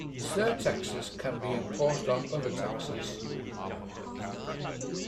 Surtaxes can be imposed on other taxes.